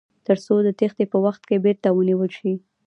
تر څو د تیښتې په وخت کې بیرته ونیول شي.